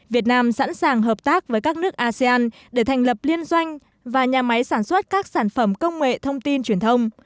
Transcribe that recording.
việt nam sẵn sàng hợp tác với các nước asean để thành lập liên doanh và nhà máy sản xuất các sản phẩm công nghệ thông tin truyền thông